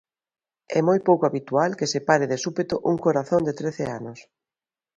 É moi pouco habitual que se pare de súpeto un corazón de trece anos.